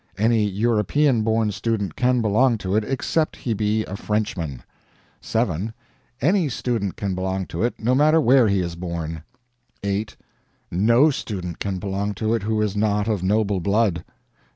Any European born student can belong to it, except he be a Frenchman. 7. Any student can belong to it, no matter where he was born. 8. No student can belong to it who is not of noble blood.